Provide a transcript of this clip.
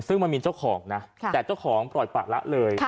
ซึ่งมันมีเจ้าของนะแต่เจ้าของปล่อยปะละเลย